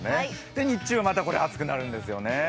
で、日中はまたこれ、暑くなるんですよね。